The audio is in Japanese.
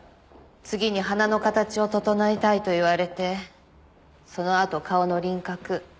次に鼻の形を整えたいと言われてそのあと顔の輪郭。